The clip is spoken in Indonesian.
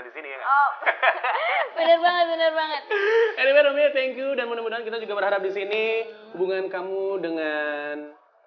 disini ya bener bener banget ini dan kita juga berharap disini hubungan kamu dengan